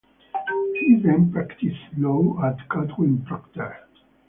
He then practiced law at Goodwin Procter.